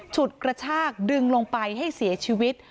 ฉุดกระชากดึงลงไปให้เสียชีวิต